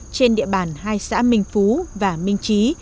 trên địa bàn hai xã mình phú và mình trí